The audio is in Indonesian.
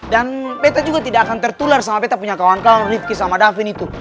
dan betta juga tidak akan tertular sama betta punya kawan kawan rifki sama davin itu